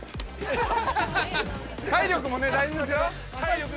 ◆体力も大事ですよ。